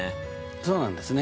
そうなんですね。